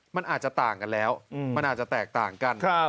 มันอาจจะต่างกันแล้วมันอาจจะแตกต่างกัน